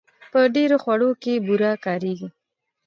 په ډېرو خوړو کې بوره کارېږي.